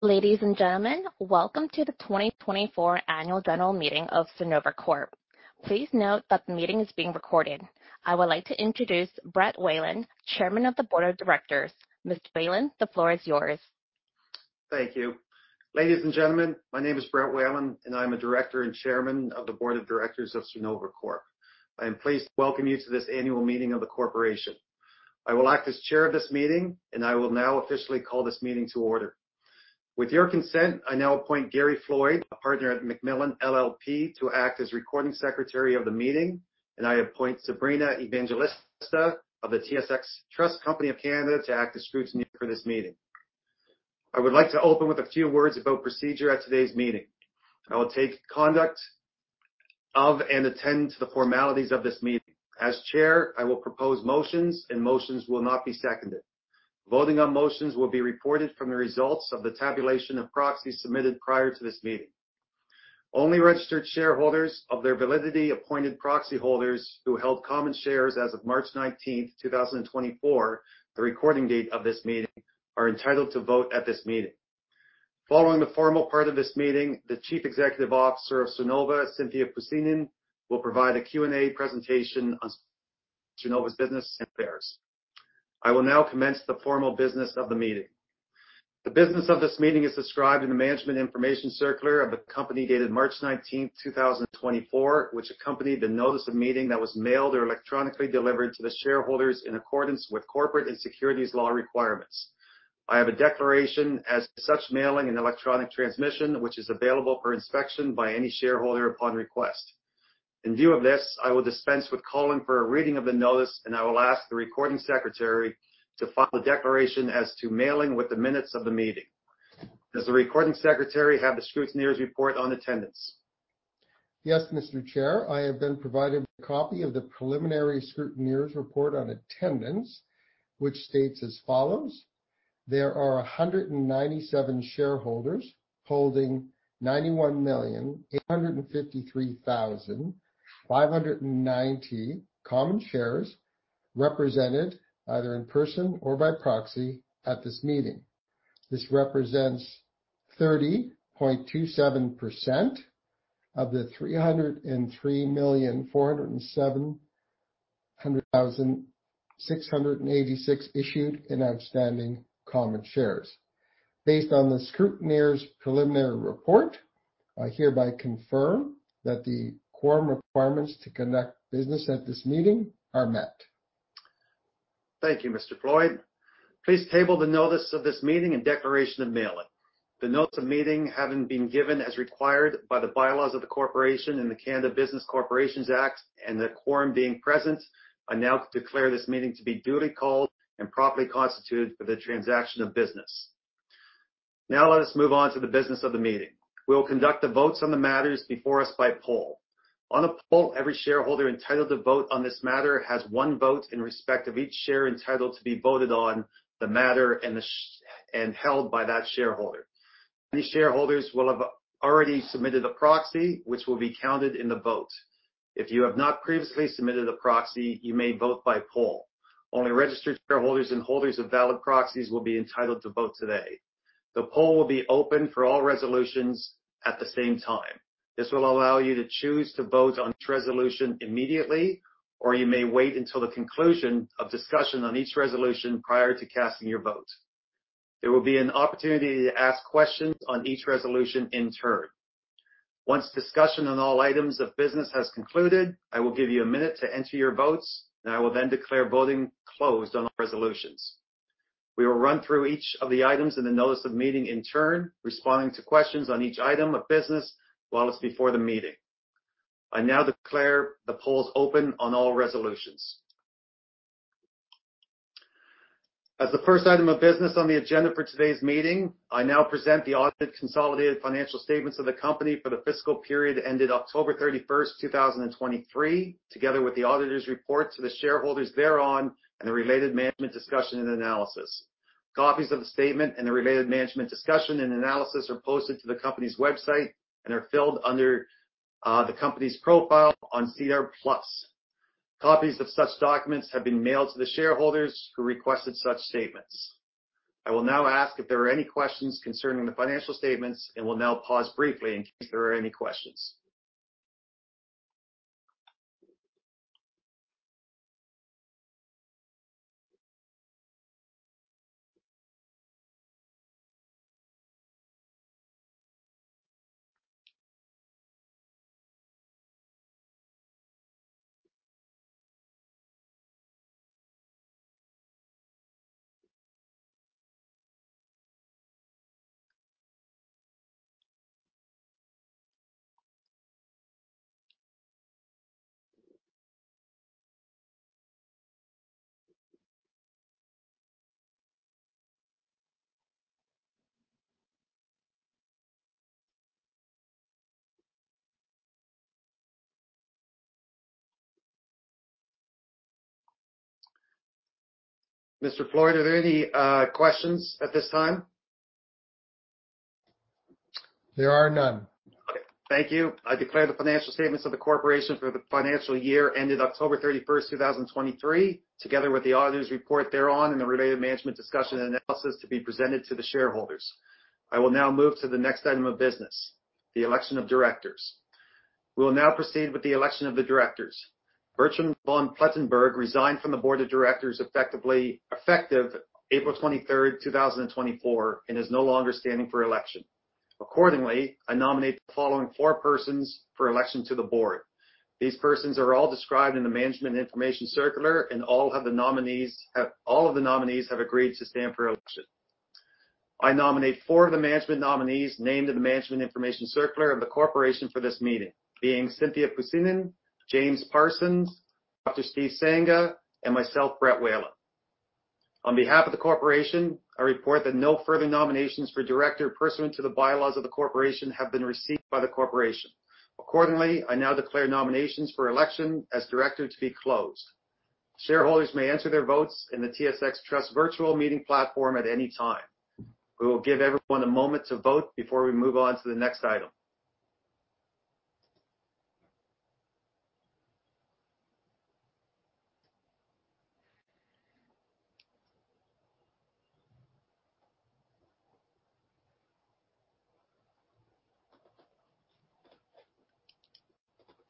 Ladies and gentlemen, welcome to the 2024 Annual General Meeting of Sernova Corp. Please note that the meeting is being recorded. I would like to introduce Brett Whalen, chairman of the board of directors. Mr. Whalen, the floor is yours. Thank you. Ladies and gentlemen, my name is Brett Whalen, and I'm a director and chairman of the board of directors of Sernova Corp. I am pleased to welcome you to this annual meeting of the corporation. I will act as chair of this meeting, and I will now officially call this meeting to order. With your consent, I now appoint Gary Floyd, a partner at McMillan LLP, to act as recording secretary of the meeting, and I appoint Sabrina Evangelista of the TSX Trust Company of Canada to act as scrutineer for this meeting. I would like to open with a few words about procedure at today's meeting. I will take conduct of and attend to the formalities of this meeting. As chair, I will propose motions, and motions will not be seconded. Voting on motions will be reported from the results of the tabulation of proxies submitted prior to this meeting. Only registered shareholders of their validity, appointed proxy holders who held common shares as of March 19, 2024, the record date of this meeting, are entitled to vote at this meeting. Following the formal part of this meeting, the Chief Executive Officer of Sernova, Cynthia Pussinen, will provide a Q&A presentation on Sernova business affairs. I will now commence the formal business of the meeting. The business of this meeting is described in the Management Information Circular of the company dated March 19, 2024, which accompanied the notice of meeting that was mailed or electronically delivered to the shareholders in accordance with corporate and securities law requirements. I have a declaration as to such mailing and electronic transmission, which is available for inspection by any shareholder upon request. In view of this, I will dispense with calling for a reading of the notice, and I will ask the recording secretary to file a declaration as to mailing with the minutes of the meeting. Does the recording secretary have the scrutineer's report on attendance? Yes, Mr. Chair. I have been provided with a copy of the preliminary scrutineer's report on attendance, which states as follows: There are 197 shareholders holding 91,853,590 common shares, represented either in person or by proxy at this meeting. This represents 30.27% of the 303,407,686 issued and outstanding common shares. Based on the scrutineer's preliminary report, I hereby confirm that the quorum requirements to conduct business at this meeting are met. Thank you, Mr. Floyd. Please table the notice of this meeting and declaration of mailing. The notes of meeting having been given as required by the bylaws of the corporation and the Canada Business Corporations Act, and the quorum being present, I now declare this meeting to be duly called and properly constituted for the transaction of business. Now let us move on to the business of the meeting. We will conduct the votes on the matters before us by poll. On a poll, every shareholder entitled to vote on this matter has one vote in respect of each share entitled to be voted on the matter and held by that shareholder. These shareholders will have already submitted a proxy, which will be counted in the vote. If you have not previously submitted a proxy, you may vote by poll. Only registered shareholders and holders of valid proxies will be entitled to vote today. The poll will be open for all resolutions at the same time. This will allow you to choose to vote on each resolution immediately, or you may wait until the conclusion of discussion on each resolution prior to casting your vote. There will be an opportunity to ask questions on each resolution in turn. Once discussion on all items of business has concluded, I will give you a minute to enter your votes, and I will then declare voting closed on the resolutions. We will run through each of the items in the notice of meeting in turn, responding to questions on each item of business while it's before the meeting. I now declare the polls open on all resolutions. As the first item of business on the agenda for today's meeting, I now present the audited consolidated financial statements of the company for the fiscal period ended October 31, 2023, together with the auditor's report to the shareholders thereon and the related Management Discussion and Analysis. Copies of the statement and the related Management Discussion and Analysis are posted to the company's website and are filed under the company's profile on SEDAR+. Copies of such documents have been mailed to the shareholders who requested such statements. I will now ask if there are any questions concerning the financial statements, and we'll now pause briefly in case there are any questions. Mr. Floyd, are there any questions at this time? There are none. Okay, thank you. I declare the financial statements of the corporation for the financial year ended October 31st, 2023, together with the auditor's report thereon and the related Management Discussion and Analysis to be presented to the shareholders. I will now move to the next item of business, the election of directors. We will now proceed with the election of the directors. Bertram von Plettenberg resigned from the board of directors effective April 23, 2024, and is no longer standing for election. Accordingly, I nominate the following 4 persons for election to the board. These persons are all described in the management information circular, and all of the nominees have agreed to stand for election. I nominate 4 of the management nominees named in the Management Information Circular of the corporation for this meeting, being Cynthia Pussinen, James Parsons, Dr. Steven Sangha, and myself, Brett Whalen. On behalf of the corporation, I report that no further nominations for director, pursuant to the bylaws of the corporation, have been received by the corporation. Accordingly, I now declare nominations for election as director to be closed. Shareholders may enter their votes in the TSX Trust Virtual Meeting Platform at any time. We will give everyone a moment to vote before we move on to the next item.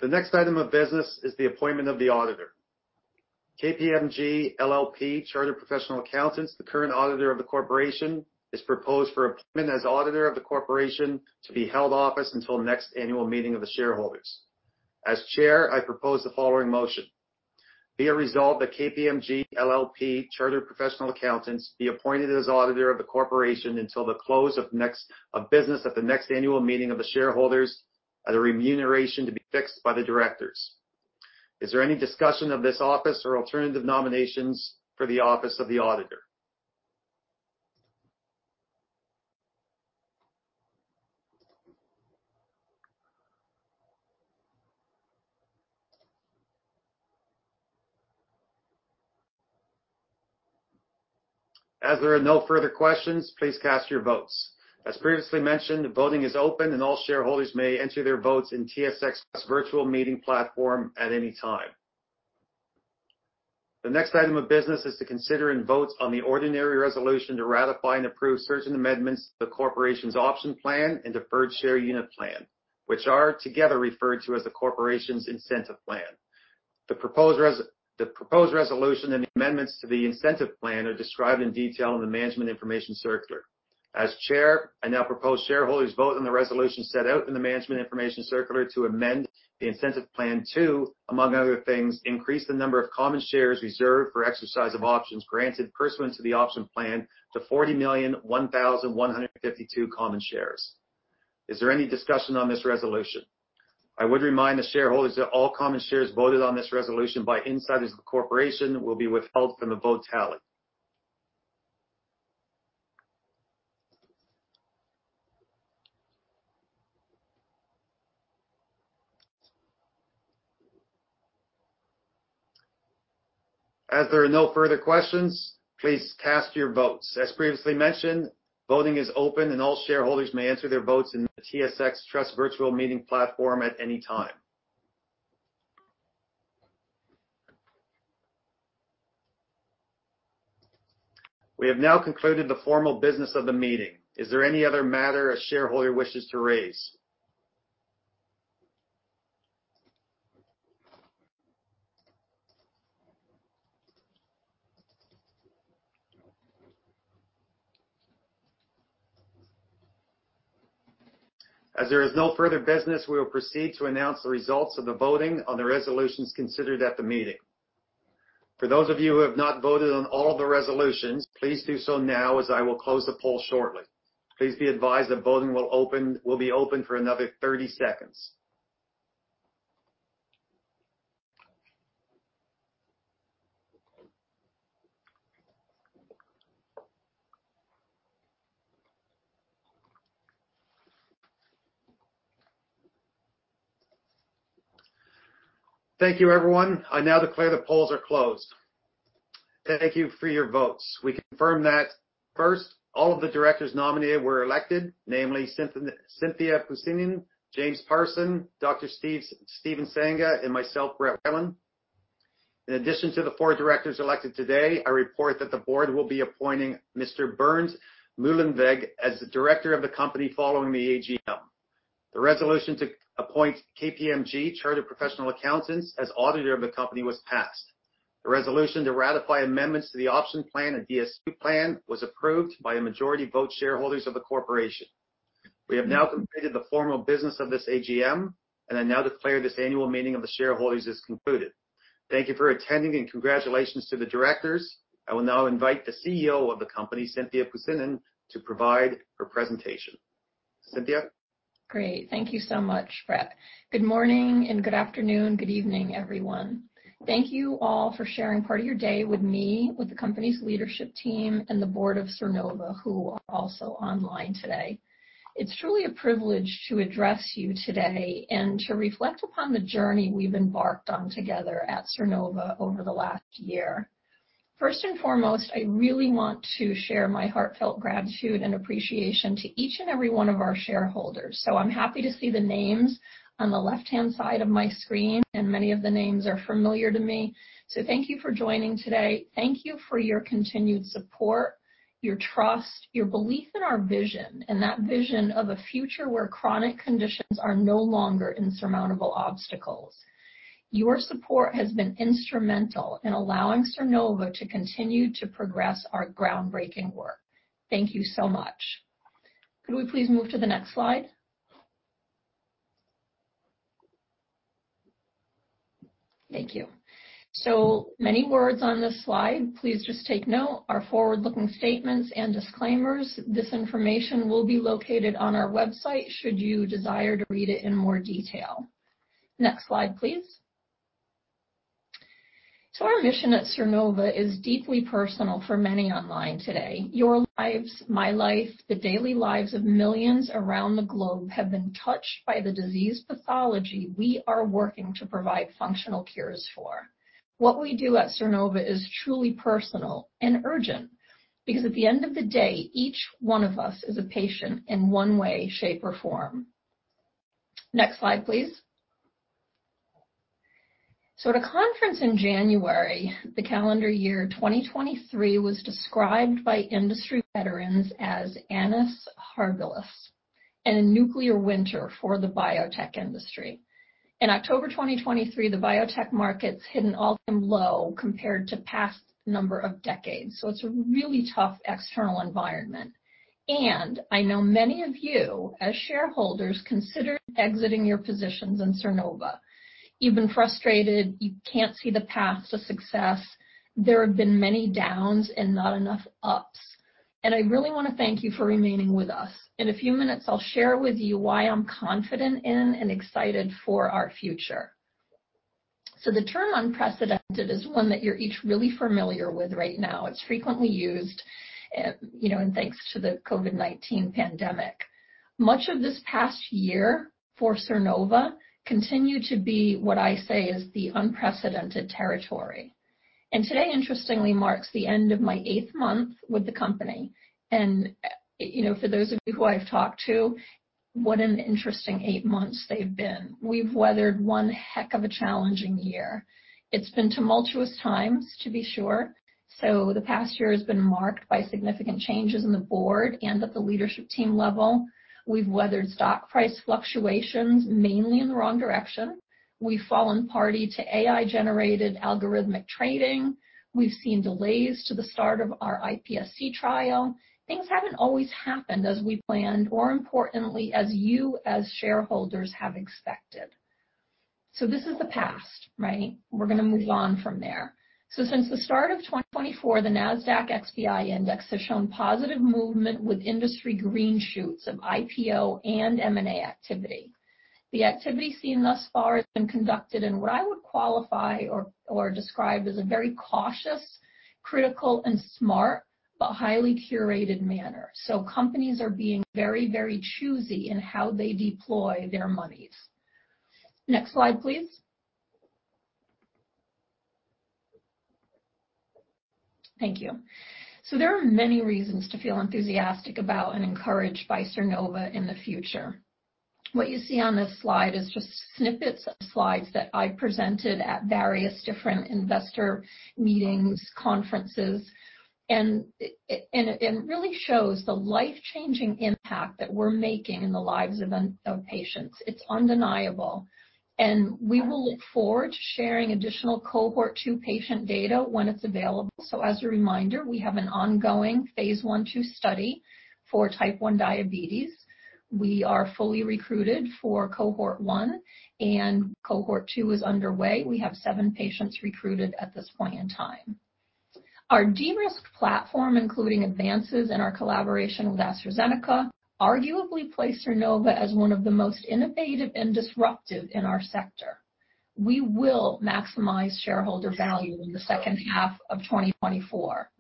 The next item of business is the appointment of the auditor. KPMG LLP, Chartered Professional Accountants, the current auditor of the corporation, is proposed for appointment as auditor of the corporation to be held office until next annual meeting of the shareholders. As Chair, I propose the following motion: Be it resolved that KPMG LLP, Chartered Professional Accountants, be appointed as auditor of the corporation until the close of business at the next annual meeting of the shareholders at a remuneration to be fixed by the directors. Is there any discussion of this office or alternative nominations for the office of the auditor? As there are no further questions, please cast your votes. As previously mentioned, voting is open, and all shareholders may enter their votes in TSX Virtual Meeting Platform at any time. The next item of business is to consider and vote on the ordinary resolution to ratify and approve certain amendments to the corporation's option plan and deferred share unit plan, which are together referred to as the corporation's incentive plan. The proposed resolution and amendments to the incentive plan are described in detail in the management information circular. As chair, I now propose shareholders vote on the resolution set out in the management information circular to amend the incentive plan to, among other things, increase the number of common shares reserved for exercise of options granted pursuant to the option plan to 40,001,152 common shares. Is there any discussion on this resolution? I would remind the shareholders that all common shares voted on this resolution by insiders of the corporation will be withheld from the vote tally. As there are no further questions, please cast your votes. As previously mentioned, voting is open, and all shareholders may enter their votes in the TSX Trust Virtual Meeting Platform at any time. We have now concluded the formal business of the meeting. Is there any other matter a shareholder wishes to raise? As there is no further business, we will proceed to announce the results of the voting on the resolutions considered at the meeting. For those of you who have not voted on all of the resolutions, please do so now, as I will close the poll shortly. Please be advised that voting will open, will be open for another 30 seconds. Thank you, everyone. I now declare the polls are closed. Thank you for your votes. We confirm that, first, all of the directors nominated were elected, namely Cynthia Pussinen, James Parsons, Steven Sangha, and myself, Brett Whalen. In addition to the four directors elected today, I report that the board will be appointing Mr. Bernd Muehlenweg as the director of the company following the AGM. The resolution to appoint KPMG Chartered Professional Accountants as auditor of the company was passed. The resolution to ratify amendments to the option plan and DSU plan was approved by a majority vote shareholders of the corporation. We have now completed the formal business of this AGM and I now declare this annual meeting of the shareholders is concluded. Thank you for attending, and congratulations to the directors. I will now invite the CEO of the company, Cynthia Pussinen, to provide her presentation. Cynthia? Great. Thank you so much, Brett. Good morning, and good afternoon, good evening, everyone. Thank you all for sharing part of your day with me, with the company's leadership team, and the board of Sernova, who are also online today. It's truly a privilege to address you today and to reflect upon the journey we've embarked on together at Sernova over the last year. First and foremost, I really want to share my heartfelt gratitude and appreciation to each and every one of our shareholders. So I'm happy to see the names on the left-hand side of my screen, and many of the names are familiar to me. So thank you for joining today. Thank you for your continued support, your trust, your belief in our vision, and that vision of a future where chronic conditions are no longer insurmountable obstacles. Your support has been instrumental in allowing Sernova to continue to progress our groundbreaking work. Thank you so much. Could we please move to the next slide? Thank you. So many words on this slide. Please just take note, our forward-looking statements and disclaimers. This information will be located on our website, should you desire to read it in more detail. Next slide, please. So our mission at Sernova is deeply personal for many online today. Your lives, my life, the daily lives of millions around the globe have been touched by the disease pathology we are working to provide functional cures for. What we do at Sernova is truly personal and urgent, because at the end of the day, each one of us is a patient in one way, shape, or form. Next slide, please. So at a conference in January, the calendar year 2023 was described by industry veterans as annus horribilis and a nuclear winter for the biotech industry. In October 2023, the biotech markets hit an all-time low compared to past number of decades, so it's a really tough external environment. And I know many of you, as shareholders, considered exiting your positions in Sernova. You've been frustrated. You can't see the path to success. There have been many downs and not enough ups, and I really wanna thank you for remaining with us. In a few minutes, I'll share with you why I'm confident in and excited for our future. So the term unprecedented is one that you're each really familiar with right now. It's frequently used, you know, and thanks to the COVID-19 pandemic. Much of this past year for Sernova continued to be what I say is the unprecedented territory. Today, interestingly, marks the end of my eighth month with the company, and, you know, for those of you who I've talked to, what an interesting eight months they've been. We've weathered one heck of a challenging year. It's been tumultuous times, to be sure, so the past year has been marked by significant changes in the board and at the leadership team level. We've weathered stock price fluctuations, mainly in the wrong direction. We've fallen party to AI-generated algorithmic trading. We've seen delays to the start of our iPSC trial. Things haven't always happened as we planned, more importantly, as you as shareholders have expected. So this is the past, right? We're gonna move on from there. So since the start of 2024, the Nasdaq XBI index has shown positive movement with industry green shoots of IPO and M&A activity. The activity seen thus far has been conducted in what I would qualify or describe as a very cautious, critical, and smart, but highly curated manner. So companies are being very, very choosy in how they deploy their monies. Next slide, please. Thank you. So there are many reasons to feel enthusiastic about and encouraged by Sernova in the future. What you see on this slide is just snippets of slides that I presented at various different investor meetings, conferences, and it really shows the life-changing impact that we're making in the lives of patients. It's undeniable, and we will look forward to sharing additional cohort two patient data when it's available. So as a reminder, we have an ongoing Phase 1/2 study for Type 1 diabetes. We are fully recruited for cohort one, and cohort two is underway. We have seven patients recruited at this point in time. Our de-risked platform, including advances in our collaboration with AstraZeneca, arguably place Sernova as one of the most innovative and disruptive in our sector. We will maximize shareholder value in the second half of 2024.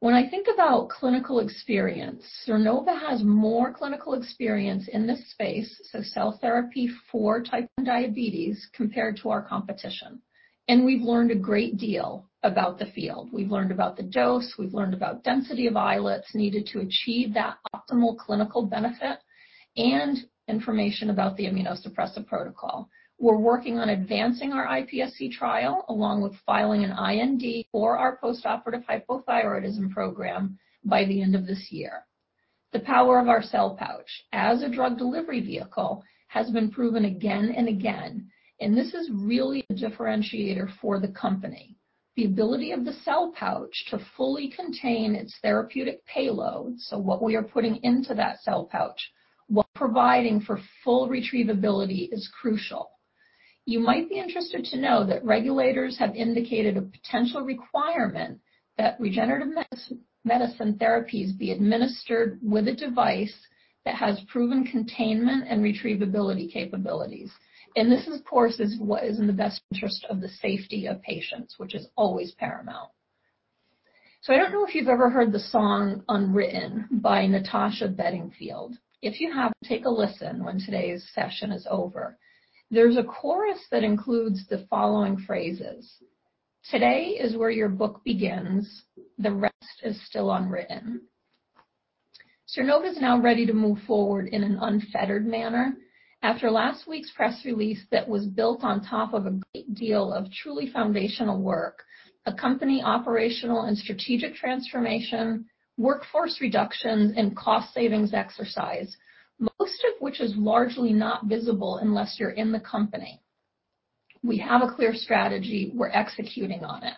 When I think about clinical experience, Sernova has more clinical experience in this space, so cell therapy for Type 1 diabetes, compared to our competition, and we've learned a great deal about the field. We've learned about the dose, we've learned about density of islets needed to achieve that optimal clinical benefit, and information about the immunosuppressive protocol. We're working on advancing our iPSC trial, along with filing an IND for our post-operative hypothyroidism program by the end of this year. The power of our Cell Pouch as a drug delivery vehicle has been proven again and again, and this is really a differentiator for the company. The ability of the Cell Pouch to fully contain its therapeutic payload, so what we are putting into that Cell Pouch, while providing for full retrievability, is crucial. You might be interested to know that regulators have indicated a potential requirement that regenerative medicine therapies be administered with a device that has proven containment and retrievability capabilities. And this, of course, is what is in the best interest of the safety of patients, which is always paramount. So I don't know if you've ever heard the song Unwritten by Natasha Bedingfield. If you have, take a listen when today's session is over. There's a chorus that includes the following phrases: "Today is where your book begins. The rest is still unwritten." Sernova is now ready to move forward in an unfettered manner. After last week's press release that was built on top of a great deal of truly foundational work, a company operational and strategic transformation, workforce reductions and cost savings exercise, most of which is largely not visible unless you're in the company. We have a clear strategy. We're executing on it.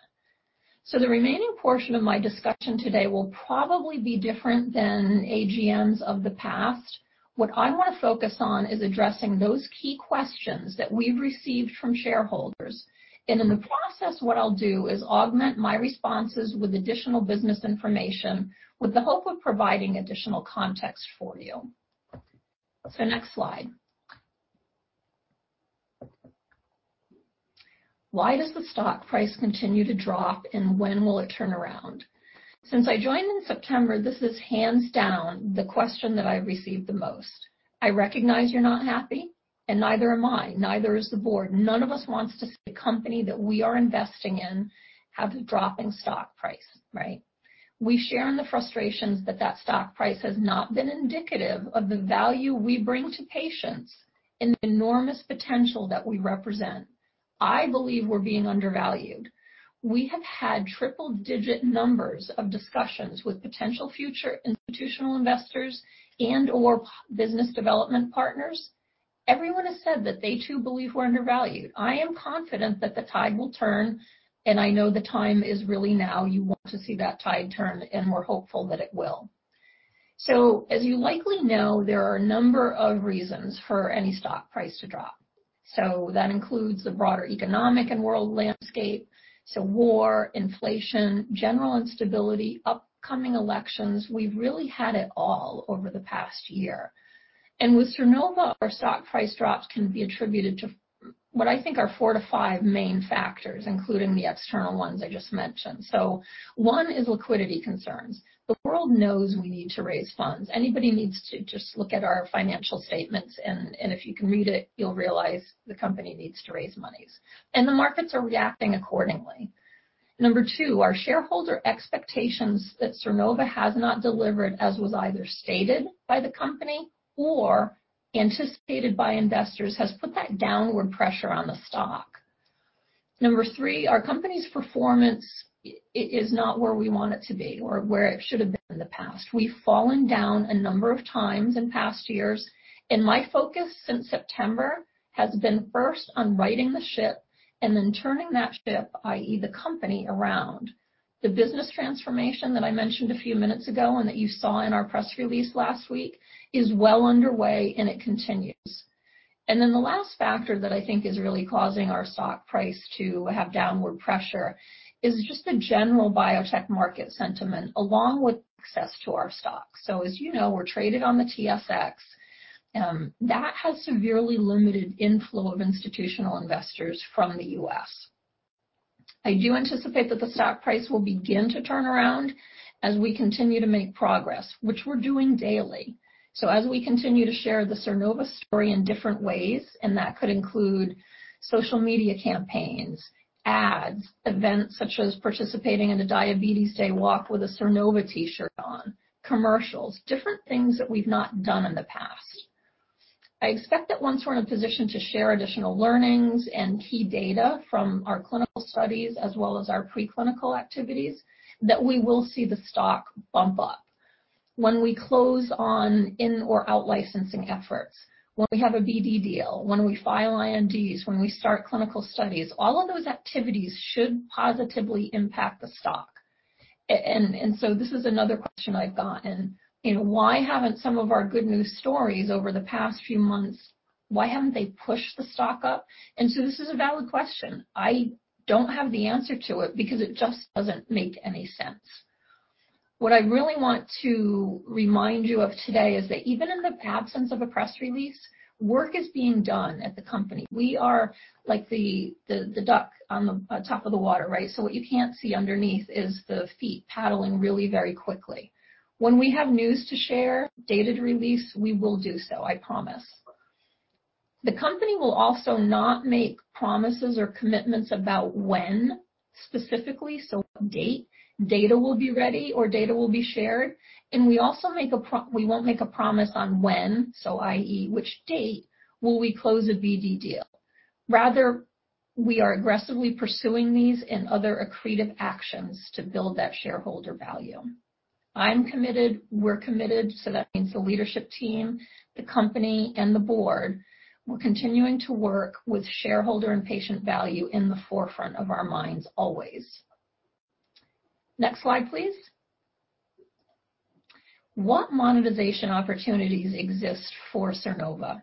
So the remaining portion of my discussion today will probably be different than AGMs of the past. What I want to focus on is addressing those key questions that we've received from shareholders, and in the process, what I'll do is augment my responses with additional business information, with the hope of providing additional context for you. So next slide. Why does the stock price continue to drop, and when will it turn around? Since I joined in September, this is hands down the question that I've received the most. I recognize you're not happy, and neither am I. Neither is the board. None of us wants to see a company that we are investing in have a dropping stock price, right? We share in the frustrations that that stock price has not been indicative of the value we bring to patients and the enormous potential that we represent. I believe we're being undervalued. We have had triple-digit numbers of discussions with potential future institutional investors and/or business development partners. Everyone has said that they, too, believe we're undervalued. I am confident that the tide will turn, and I know the time is really now. You want to see that tide turn, and we're hopeful that it will. So as you likely know, there are a number of reasons for any stock price to drop. So that includes the broader economic and world landscape, so war, inflation, general instability, upcoming elections. We've really had it all over the past year. And with Sernova, our stock price drops can be attributed to what I think are four to five main factors, including the external ones I just mentioned. So one is liquidity concerns. The world knows we need to raise funds. Anybody needs to just look at our financial statements, and if you can read it, you'll realize the company needs to raise monies, and the markets are reacting accordingly. Number two, our shareholder expectations that Sernova has not delivered, as was either stated by the company or anticipated by investors, has put that downward pressure on the stock. Number three, our company's performance is not where we want it to be or where it should have been in the past. We've fallen down a number of times in past years, and my focus since September has been first on righting the ship and then turning that ship, i.e., the company, around. The business transformation that I mentioned a few minutes ago and that you saw in our press release last week is well underway, and it continues. And then the last factor that I think is really causing our stock price to have downward pressure is just the general biotech market sentiment, along with access to our stock. So as you know, we're traded on the TSX, that has severely limited inflow of institutional investors from the US. I do anticipate that the stock price will begin to turn around as we continue to make progress, which we're doing daily. So as we continue to share the Sernova story in different ways, and that could include social media campaigns, ads, events such as participating in a Diabetes Day walk with a Sernova T-shirt on, commercials, different things that we've not done in the past. I expect that once we're in a position to share additional learnings and key data from our clinical studies, as well as our preclinical activities, that we will see the stock bump up. When we close on in or out-licensing efforts, when we have a BD deal, when we file INDs, when we start clinical studies, all of those activities should positively impact the stock. And so this is another question I've gotten: You know, why haven't some of our good news stories over the past few months, why haven't they pushed the stock up? And so this is a valid question. I don't have the answer to it because it just doesn't make any sense. What I really want to remind you of today is that even in the absence of a press release, work is being done at the company. We are like the duck on top of the water, right? So what you can't see underneath is the feet paddling really very quickly. When we have news to share, dated release, we will do so, I promise. The company will also not make promises or commitments about when specifically, so what date data will be ready or data will be shared, and we won't make a promise on when, so i.e., which date will we close a BD deal? Rather, we are aggressively pursuing these and other accretive actions to build that shareholder value. I'm committed. We're committed, so that means the leadership team, the company, and the board. We're continuing to work with shareholder and patient value in the forefront of our minds, always. Next slide, please. What monetization opportunities exist for Sernova?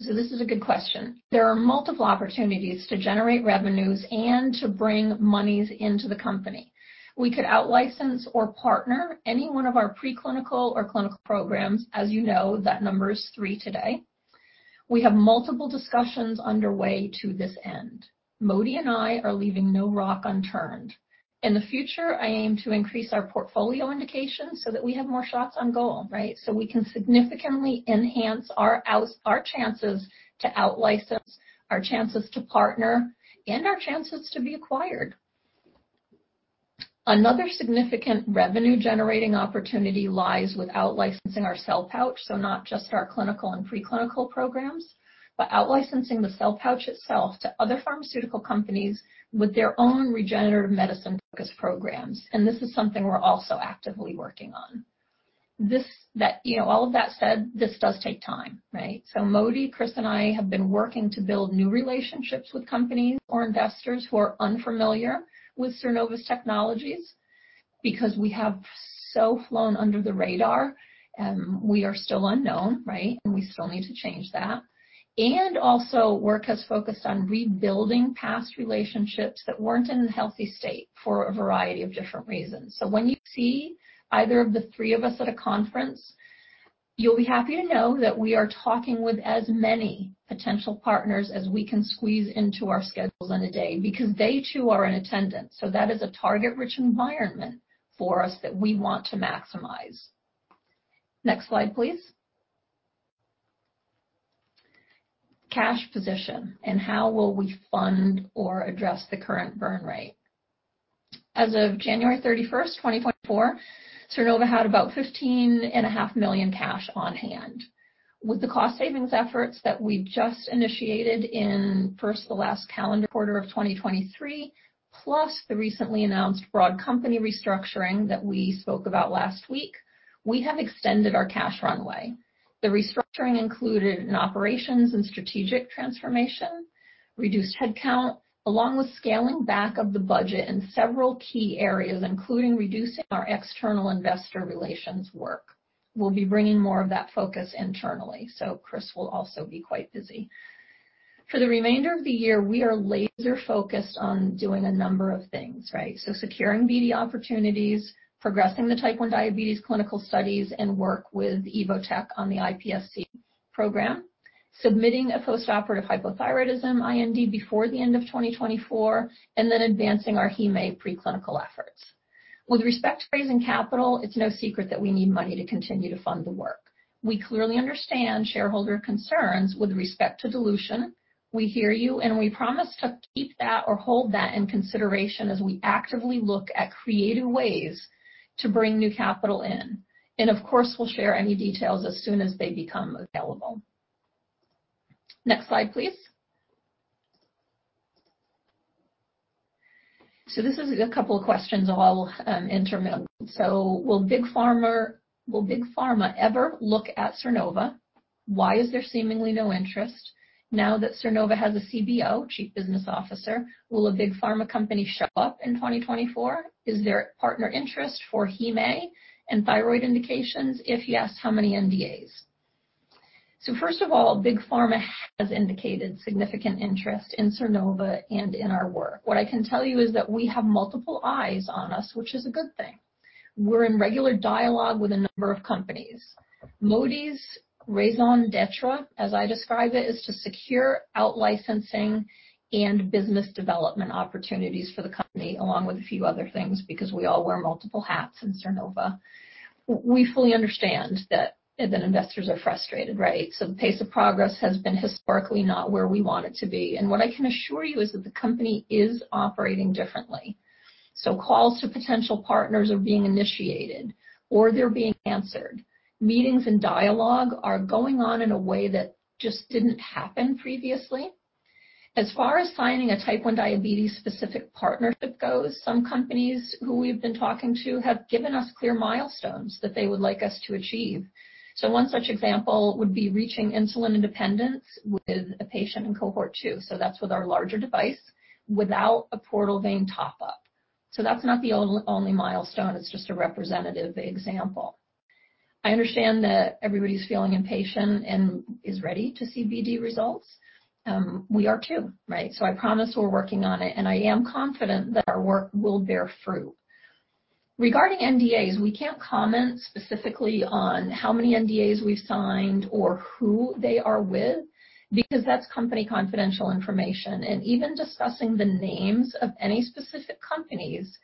So this is a good question. There are multiple opportunities to generate revenues and to bring monies into the company. We could out-license or partner any one of our preclinical or clinical programs. As you know, that number is 3 today. We have multiple discussions underway to this end. Modi and I are leaving no rock unturned. In the future, I aim to increase our portfolio indications so that we have more shots on goal, right? So we can significantly enhance our chances to outlicense, our chances to partner, and our chances to be acquired. Another significant revenue-generating opportunity lies with outlicensing our cell pouch, so not just our clinical and preclinical programs, but outlicensing the cell pouch itself to other pharmaceutical companies with their own regenerative medicine-focused programs. And this is something we're also actively working on. You know, all of that said, this does take time, right? So Modi, Chris, and I have been working to build new relationships with companies or investors who are unfamiliar with Sernova. Because we have so flown under the radar, we are still unknown, right? And we still need to change that. And also, work has focused on rebuilding past relationships that weren't in a healthy state for a variety of different reasons. So when you see either of the three of us at a conference, you'll be happy to know that we are talking with as many potential partners as we can squeeze into our schedules in a day, because they, too, are in attendance. So that is a target-rich environment for us that we want to maximize. Next slide, please. Cash position, and how will we fund or address the current burn rate? As of January 31, 2024, Sernova had about 15.5 million cash on hand. With the cost savings efforts that we just initiated in, first, the last calendar quarter of 2023, plus the recently announced broad company restructuring that we spoke about last week, we have extended our cash runway. The restructuring included an operations and strategic transformation, reduced headcount, along with scaling back of the budget in several key areas, including reducing our external investor relations work. We'll be bringing more of that focus internally, so Chris will also be quite busy. For the remainder of the year, we are laser-focused on doing a number of things, right? So securing BD opportunities, progressing the Type 1 Diabetes clinical studies, and work with Evotec on the iPSC program, submitting a postoperative hypothyroidism IND before the end of 2024, and then advancing our HemA preclinical efforts. With respect to raising capital, it's no secret that we need money to continue to fund the work. We clearly understand shareholder concerns with respect to dilution. We hear you, and we promise to keep that or hold that in consideration as we actively look at creative ways to bring new capital in. And of course, we'll share any details as soon as they become available. Next slide, please. So this is a couple of questions all, intermittent. So will big pharma, will big pharma ever look at Sernova? Why is there seemingly no interest now that Sernova has a CBO, Chief Business Officer? Will a big pharma company show up in 2024? Is there partner interest for HemA and thyroid indications? If yes, how many NDAs? So first of all, big pharma has indicated significant interest in Sernova and in our work. What I can tell you is that we have multiple eyes on us, which is a good thing. We're in regular dialogue with a number of companies. Modi's raison d'être, as I describe it, is to secure out licensing and business development opportunities for the company, along with a few other things, because we all wear multiple hats in Sernova. We fully understand that, that investors are frustrated, right? So the pace of progress has been historically not where we want it to be. What I can assure you is that the company is operating differently. So calls to potential partners are being initiated or they're being answered. Meetings and dialogue are going on in a way that just didn't happen previously. As far as signing a Type 1 Diabetes-specific partnership goes, some companies who we've been talking to have given us clear milestones that they would like us to achieve. So one such example would be reaching insulin independence with a patient in Cohort 2, so that's with our larger device, without a portal vein top up. So that's not the only milestone, it's just a representative example. I understand that everybody's feeling impatient and is ready to see BD results. We are too, right? So I promise we're working on it, and I am confident that our work will bear fruit. Regarding NDAs, we can't comment specifically on how many NDAs we've signed or who they are with, because that's company confidential information, and even discussing the names of any specific companies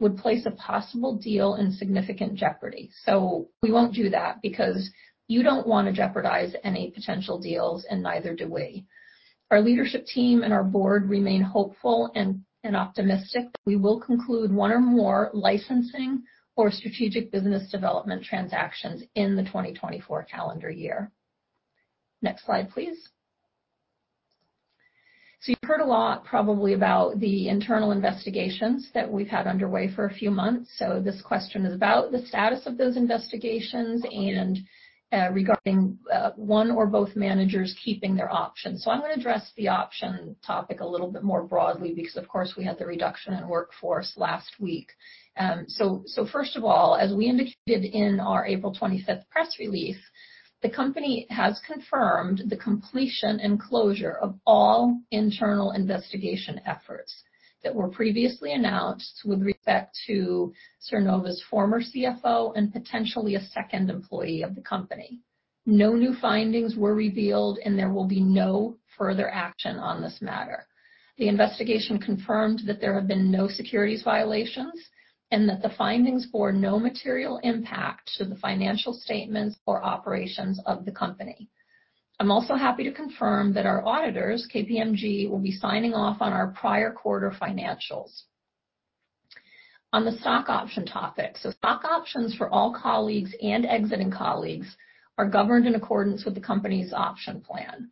would place a possible deal in significant jeopardy. So we won't do that because you don't want to jeopardize any potential deals and neither do we. Our leadership team and our board remain hopeful and optimistic that we will conclude one or more licensing or strategic business development transactions in the 2024 calendar year. Next slide, please. So you've heard a lot probably about the internal investigations that we've had underway for a few months. So this question is about the status of those investigations and regarding one or both managers keeping their options. So I'm gonna address the option topic a little bit more broadly because, of course, we had the reduction in workforce last week. So first of all, as we indicated in our April 25 press release, the company has confirmed the completion and closure of all internal investigation efforts.... that were previously announced with respect to Sernova's former CFO and potentially a second employee of the company. No new findings were revealed, and there will be no further action on this matter. The investigation confirmed that there have been no securities violations, and that the findings bore no material impact to the financial statements or operations of the company. I'm also happy to confirm that our auditors, KPMG, will be signing off on our prior quarter financials. On the stock option topic. So stock options for all colleagues and exiting colleagues are governed in accordance with the company's option plan.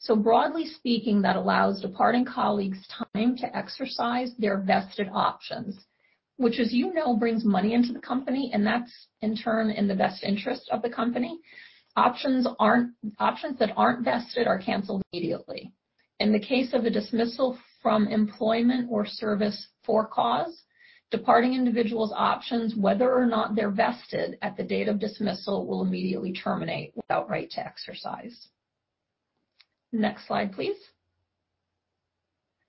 So broadly speaking, that allows departing colleagues time to exercise their vested options, which, as you know, brings money into the company, and that's in turn, in the best interest of the company. Options aren't, options that aren't vested are canceled immediately. In the case of a dismissal from employment or service for cause, departing individuals' options, whether or not they're vested at the date of dismissal, will immediately terminate without right to exercise. Next slide, please.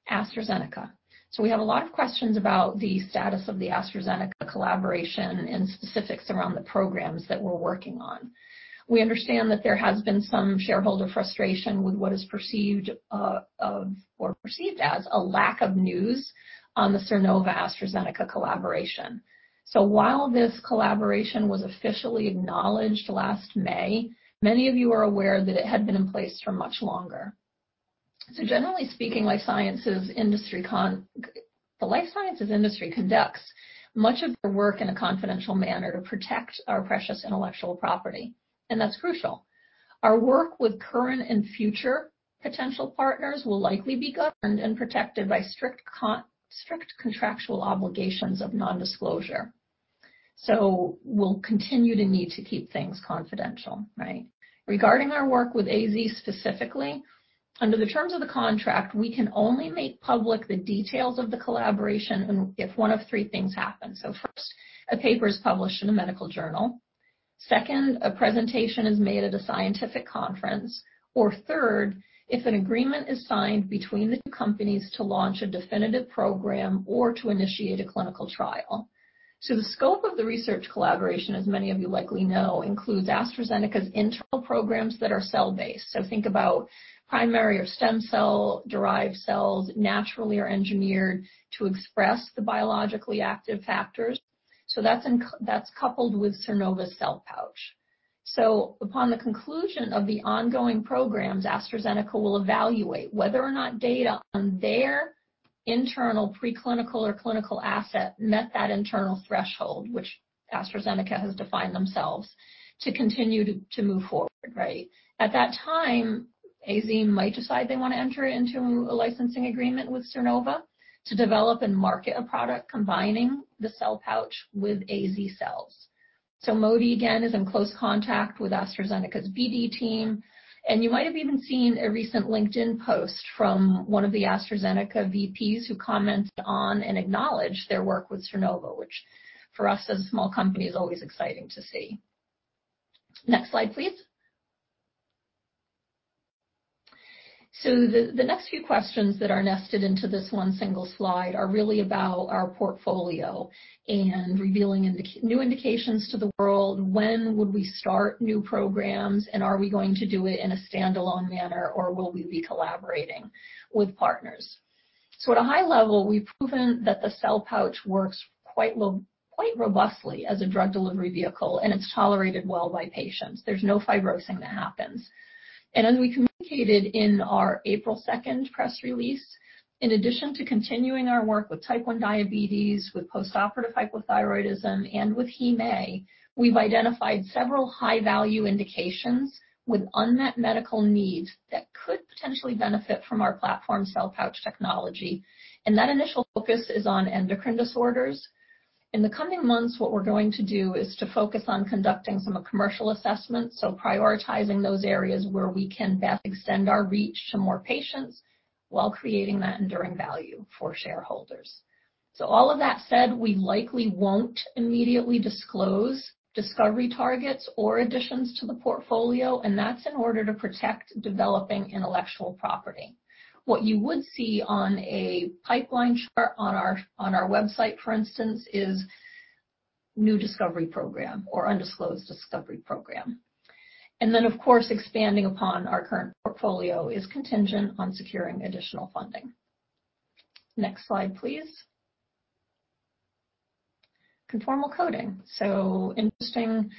AstraZeneca. So we have a lot of questions about the status of the AstraZeneca collaboration and specifics around the programs that we're working on. We understand that there has been some shareholder frustration with what is perceived as a lack of news on the Sernova-AstraZeneca collaboration. So while this collaboration was officially acknowledged last May, many of you are aware that it had been in place for much longer. So generally speaking, the life sciences industry conducts much of their work in a confidential manner to protect our precious intellectual property, and that's crucial. Our work with current and future potential partners will likely be governed and protected by strict contractual obligations of nondisclosure. So we'll continue to need to keep things confidential, right? Regarding our work with AZ, specifically, under the terms of the contract, we can only make public the details of the collaboration and if one of three things happens. So first, a paper is published in a medical journal. Second, a presentation is made at a scientific conference, or third, if an agreement is signed between the two companies to launch a definitive program or to initiate a clinical trial. So the scope of the research collaboration, as many of you likely know, includes AstraZeneca's internal programs that are cell-based. So think about primary or stem cell-derived cells, naturally or engineered to express the biologically active factors. So that's coupled with Sernova's Cell Pouch. So upon the conclusion of the ongoing programs, AstraZeneca will evaluate whether or not data on their internal, preclinical or clinical asset met that internal threshold, which AstraZeneca has defined themselves, to continue to, to move forward, right? At that time, AZ might decide they want to enter into a licensing agreement with Sernova to develop and market a product combining the cell pouch with AZ cells. So Modi, again, is in close contact with AstraZeneca's BD team, and you might have even seen a recent LinkedIn post from one of the AstraZeneca VPs, who commented on and acknowledged their work with Sernova, which for us, as a small company, is always exciting to see. Next slide, please. So the next few questions that are nested into this one single slide are really about our portfolio and revealing new indications to the world. When would we start new programs, and are we going to do it in a standalone manner, or will we be collaborating with partners? So at a high level, we've proven that the Cell Pouch works quite low, quite robustly as a drug delivery vehicle, and it's tolerated well by patients. There's no fibrosing that happens. And as we communicated in our April 2 press release, in addition to continuing our work with Type 1 Diabetes, with postoperative hypothyroidism, and with HemA, we've identified several high-value indications with unmet medical needs that could potentially benefit from our platform Cell Pouch technology, and that initial focus is on endocrine disorders. In the coming months, what we're going to do is to focus on conducting some commercial assessments, so prioritizing those areas where we can best extend our reach to more patients while creating that enduring value for shareholders. So all of that said, we likely won't immediately disclose discovery targets or additions to the portfolio, and that's in order to protect developing intellectual property. What you would see on a pipeline chart on our website, for instance, is new discovery program or undisclosed discovery program. And then, of course, expanding upon our current portfolio is contingent on securing additional funding. Next slide, please. Conformal Coating. So interesting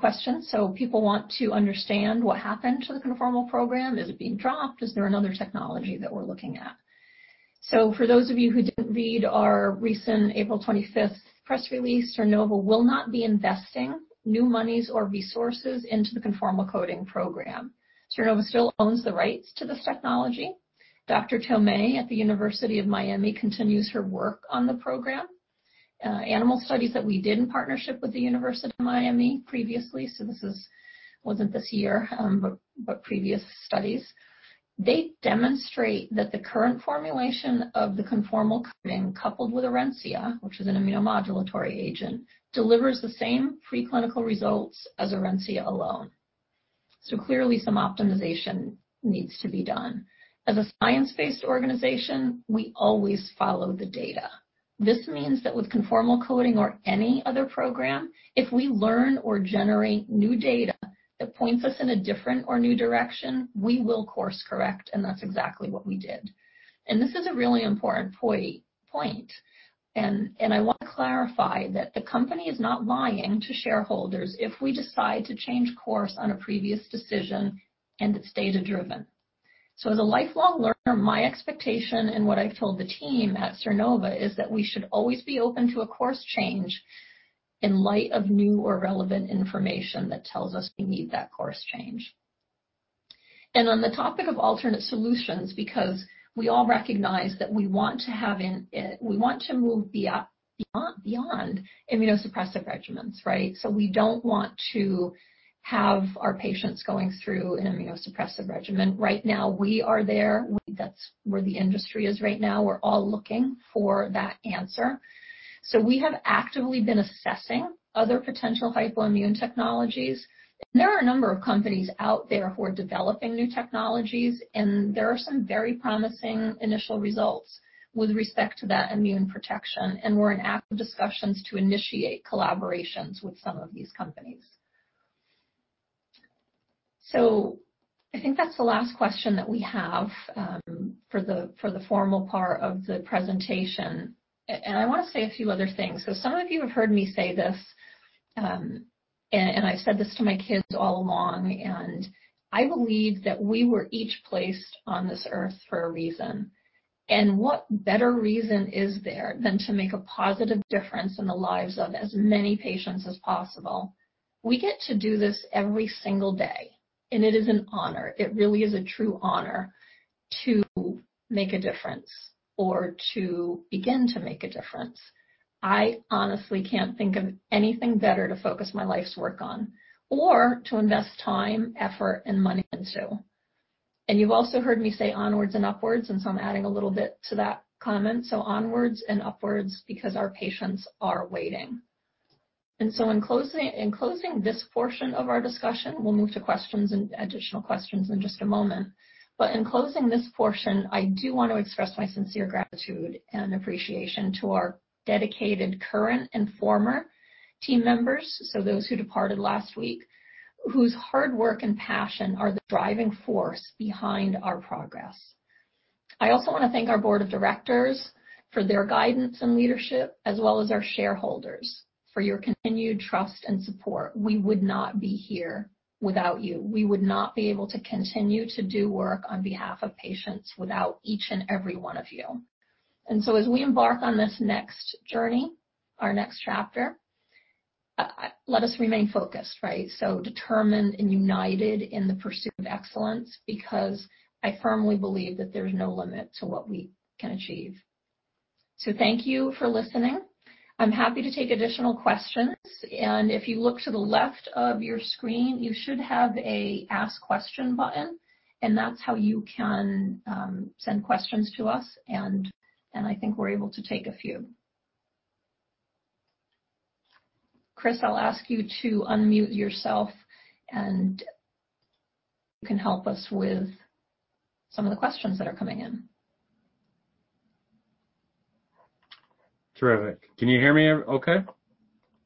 question. So people want to understand what happened to the conformal program. Is it being dropped? Is there another technology that we're looking at? So for those of you who didn't read our recent April 25th press release, Sernova will not be investing new monies or resources into the conformal coating program. Sernova still owns the rights to this technology. Dr. Tomei at the University of Miami continues her work on the program. Animal studies that we did in partnership with the University of Miami previously, so this wasn't this year, but previous studies, they demonstrate that the current formulation of the conformal coating, coupled with Orencia, which is an immunomodulatory agent, delivers the same preclinical results as Orencia alone. So clearly, some optimization needs to be done. As a science-based organization, we always follow the data. This means that with conformal coating or any other program, if we learn or generate new data that points us in a different or new direction, we will course correct, and that's exactly what we did. And this is a really important point, and I want to clarify that the company is not lying to shareholders if we decide to change course on a previous decision, and it's data-driven. So as a lifelong learner, my expectation and what I've told the team at Sernova is that we should always be open to a course change in light of new or relevant information that tells us we need that course change. On the topic of alternate solutions, because we all recognize that we want to move beyond immunosuppressive regimens, right? So we don't want to have our patients going through an immunosuppressive regimen. Right now, we are there. That's where the industry is right now. We're all looking for that answer. So we have actively been assessing other potential hypoimmune technologies. There are a number of companies out there who are developing new technologies, and there are some very promising initial results with respect to that immune protection, and we're in active discussions to initiate collaborations with some of these companies. So I think that's the last question that we have for the formal part of the presentation. And I wanna say a few other things. Some of you have heard me say this, and I've said this to my kids all along, and I believe that we were each placed on this earth for a reason. What better reason is there than to make a positive difference in the lives of as many patients as possible? We get to do this every single day, and it is an honor. It really is a true honor to make a difference or to begin to make a difference. I honestly can't think of anything better to focus my life's work on or to invest time, effort, and money into. You've also heard me say onwards and upwards, and so I'm adding a little bit to that comment. Onwards and upwards because our patients are waiting. In closing this portion of our discussion, we'll move to questions and additional questions in just a moment. In closing this portion, I do want to express my sincere gratitude and appreciation to our dedicated current and former team members, so those who departed last week, whose hard work and passion are the driving force behind our progress. I also wanna thank our board of directors for their guidance and leadership, as well as our shareholders for your continued trust and support. We would not be here without you. We would not be able to continue to do work on behalf of patients without each and every one of you. And so as we embark on this next journey, our next chapter, let us remain focused, right? So determined and united in the pursuit of excellence, because I firmly believe that there's no limit to what we can achieve. So thank you for listening. I'm happy to take additional questions, and if you look to the left of your screen, you should have a Ask Question button, and that's how you can send questions to us, and I think we're able to take a few. Chris, I'll ask you to unmute yourself, and you can help us with some of the questions that are coming in. Terrific. Can you hear me okay?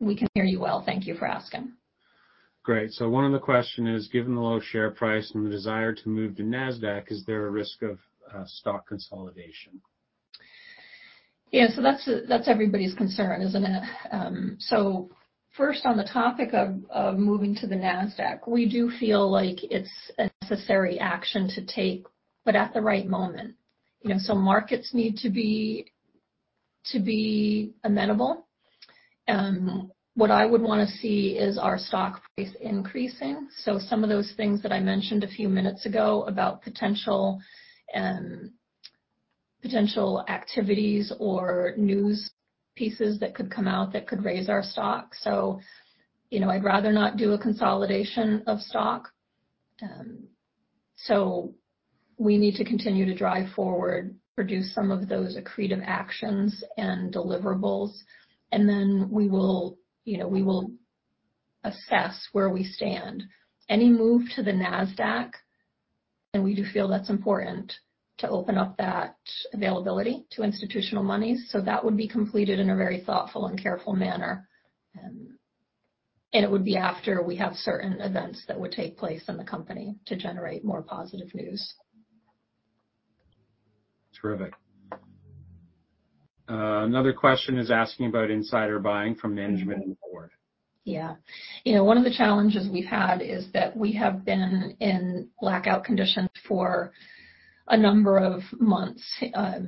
We can hear you well. Thank you for asking. Great. So one of the question is: Given the low share price and the desire to move to Nasdaq, is there a risk of stock consolidation? Yeah, so that's, that's everybody's concern, isn't it? So first, on the topic of moving to the Nasdaq, we do feel like it's a necessary action to take, but at the right moment. You know, so markets need to be amenable. What I would wanna see is our stock price increasing, so some of those things that I mentioned a few minutes ago about potential activities or news pieces that could come out that could raise our stock. So, you know, I'd rather not do a consolidation of stock. So we need to continue to drive forward, produce some of those accretive actions and deliverables, and then we will, you know, we will assess where we stand. Any move to the Nasdaq, and we do feel that's important to open up that availability to institutional monies, so that would be completed in a very thoughtful and careful manner. And it would be after we have certain events that would take place in the company to generate more positive news. Terrific. Another question is asking about insider buying from management and the board. Yeah. You know, one of the challenges we've had is that we have been in blackout conditions for a number of months,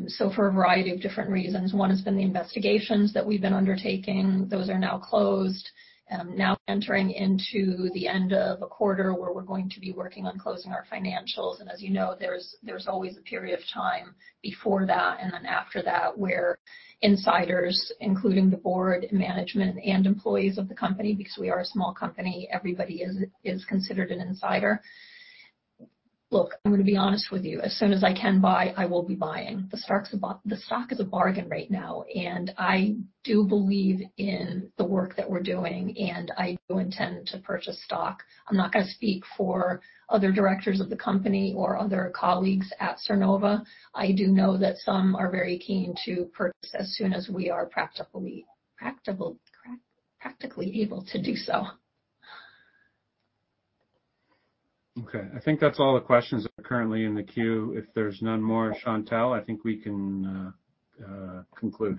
so for a variety of different reasons. One has been the investigations that we've been undertaking. Those are now closed, now entering into the end of a quarter, where we're going to be working on closing our financials, and as you know, there's always a period of time before that and then after that, where insiders, including the board, management, and employees of the company, because we are a small company, everybody is considered an insider. Look, I'm gonna be honest with you. As soon as I can buy, I will be buying. The stock is a bargain right now, and I do believe in the work that we're doing, and I do intend to purchase stock. I'm not gonna speak for other directors of the company or other colleagues at Sernova. I do know that some are very keen to purchase as soon as we are practically able to do so. Okay. I think that's all the questions that are currently in the queue. If there's none more, Chantelle, I think we can conclude.